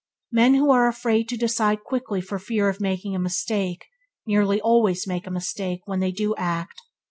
Men who are afraid to decide quickly for fear of making a mistake, nearly always makes a mistake when they do act.